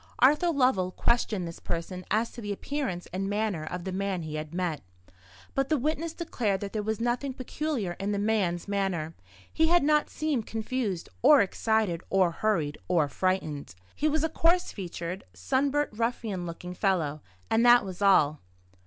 Arthur Lovell questioned this person as to the appearance and manner of the man he had met. But the witness declared that there was nothing peculiar in the man's manner. He had not seemed confused, or excited, or hurried, or frightened. He was a coarse featured, sunburnt ruffianly looking fellow; and that was all.